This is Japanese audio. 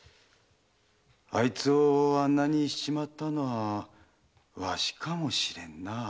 あいつをあんなにしちまったのはわしかもしれんな。